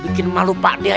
bikin malu pak dia